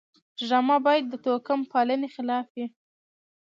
ډرامه باید د توکم پالنې خلاف وي